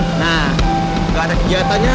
gak ada kegiatannya